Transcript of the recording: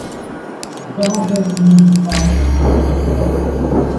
The song can even be found on karaoke boxes.